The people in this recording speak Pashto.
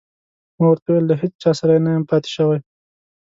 ما ورته وویل: له هیڅ چا سره نه یم پاتې شوی.